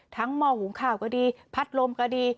หม้อหุงข้าวก็ดีพัดลมก็ดี